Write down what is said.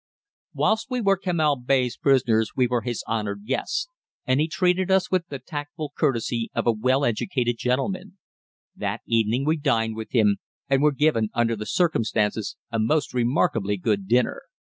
Whilst we were Kemal Bey's prisoners we were his honored guests, and he treated us with the tactful courtesy of a well educated gentleman. That evening we dined with him, and were given under the circumstances a most remarkably good dinner.